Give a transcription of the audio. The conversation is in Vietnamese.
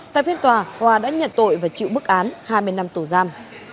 tại phiên tòa hòa đã nhận tội và chịu bức án hai mươi năm tù giam